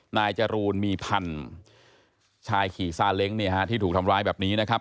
นายจรูนมีพันธุ์ชายขี่ซาเล้งเนี่ยฮะที่ถูกทำร้ายแบบนี้นะครับ